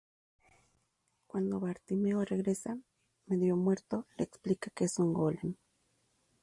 Cuando Bartimeo regresa, medio muerto, le explica que es un Golem.